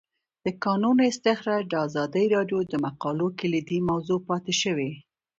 د کانونو استخراج د ازادي راډیو د مقالو کلیدي موضوع پاتې شوی.